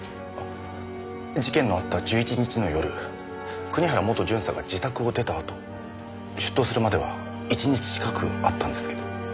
事件のあった１１日の夜国原元巡査が自宅を出たあと出頭するまでは１日近くあったんですけど。